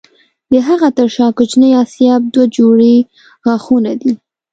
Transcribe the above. د هغه تر شا کوچني آسیاب دوه جوړې غاښونه دي.